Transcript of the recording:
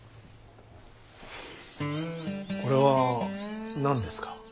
これは何ですか？